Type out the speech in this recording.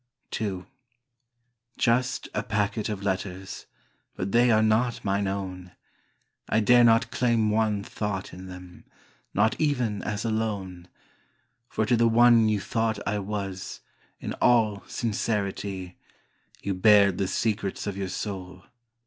II Just a packet of letters, but they are not mine own. I dare not claim one thought in them Not even as a loan, For to the one you thought I was In all sincerity You bared the secrets of your soul.